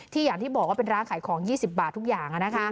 อย่างที่บอกว่าเป็นร้านขายของ๒๐บาททุกอย่าง